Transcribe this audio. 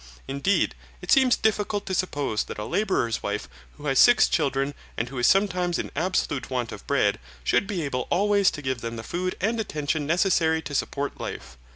Indeed, it seems difficult to suppose that a labourer's wife who has six children, and who is sometimes in absolute want of bread, should be able always to give them the food and attention necessary to support life.